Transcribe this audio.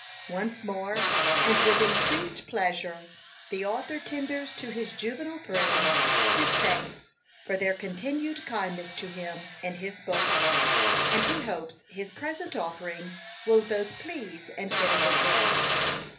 Once more, and with increased pleasure, the author tenders to his juvenile friends his thanks for their continued kindness to him and his books; and he hopes his present offering will both please and benefit them.